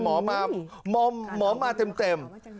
หมอมาเต็ม